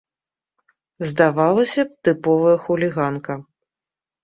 Здавалася б, тыповая хуліганка.